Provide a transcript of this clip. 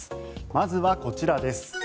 まずはこちらです。